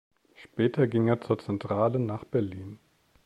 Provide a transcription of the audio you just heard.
Später ging er zur Zentrale nach Berlin.